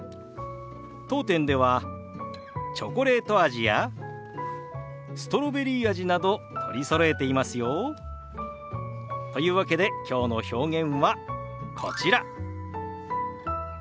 当店ではチョコレート味やストロベリー味など取りそろえていますよ。というわけできょうの表現はこちら。